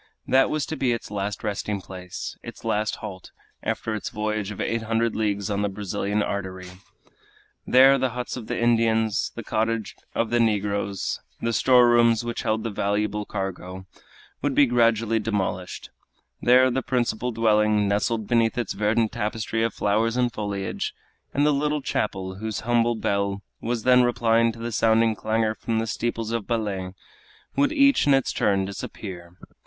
That was to be its last resting place, its last halt, after its voyage of eight hundred leagues on the great Brazilian artery. There the huts of the Indians, the cottage of the negroes, the store rooms which held the valuable cargo, would be gradually demolished; there the principal dwelling, nestled beneath its verdant tapestry of flowers and foliage, and the little chapel whose humble bell was then replying to the sounding clangor from the steeples of Belem, would each in its turn disappear.